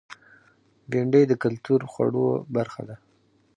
بېنډۍ د کلتور خوړو برخه ده